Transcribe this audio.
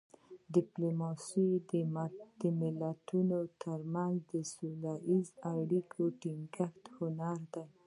ډیپلوماسي د ملتونو ترمنځ د سوله اییزو اړیکو د ټینګښت هنر دی